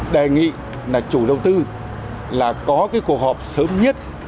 đề nghị là chủ đầu tư là có cái cuộc họp sớm nhất